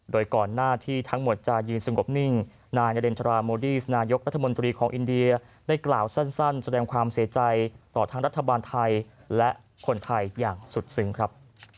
โดยก่อนหน้าที่ทั้งหมดจะยืนสงบนิ่งนายนาเรนทราโมดี้นายกรัฐมนตรีของอินเดียได้กล่าวสั้นแสดงความเสียใจต่อทั้งรัฐบาลไทยและคนไทยอย่างสุดซึ้งครับ